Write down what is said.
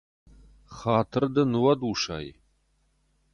Хатыр дын уӕд, усай!